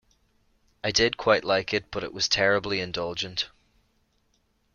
I did quite like it but it was terribly indulgent.